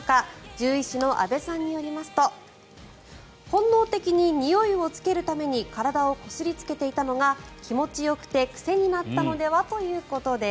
獣医師の阿部さんによりますと本能的ににおいをつけるために体をこすりつけていたのが気持ちよくて癖になったのではということです。